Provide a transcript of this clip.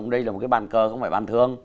đây là một cái bàn cờ không phải bàn thương